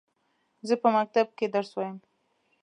زه په مکتب کښي درس وايم.